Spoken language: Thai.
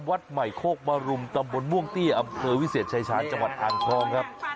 วัดใหม่โคกมรุมตำบลม่วงเตี้ยอำเภอวิเศษชายชาญจังหวัดอ่างทองครับ